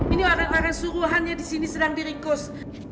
ini orang orang suruhannya disini sedang dirikus